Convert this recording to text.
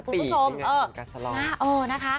นี้ก็สลอง